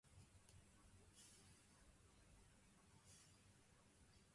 سیاستدانوں نے ادارے مضبوط بنانے تھے، کرپشن کے خاتمہ اور اچھی گورننس کے لئے سسٹم میں اصلاحات لانی تھی۔